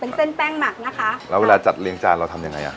เป็นเส้นแป้งหมักนะคะแล้วเวลาจัดเลี้ยงจานเราทำยังไงอ่ะ